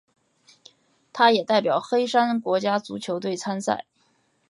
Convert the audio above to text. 他也代表黑山国家足球队参赛。